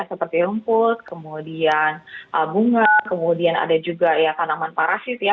seperti rumput kemudian bunga kemudian ada juga ya tanaman parasit ya